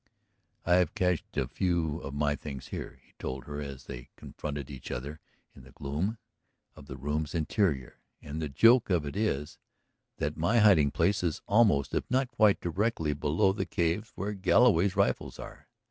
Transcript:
"I have cached a few of my things here," he told her as they confronted each other in the gloom of the room's interior. "And the joke of it is that my hiding place is almost if not quite directly below the caves where Galloway's rifles are.